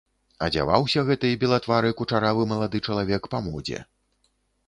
Адзяваўся гэты белатвары кучаравы малады чалавек па модзе.